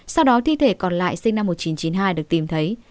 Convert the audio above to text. sau đó thi thể còn lại sinh năm một nghìn chín trăm chín mươi hai được tìm thấy